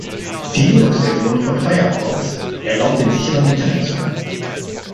Die Linux-Version von Firefox erlaubt den sicheren Internet-Zugang.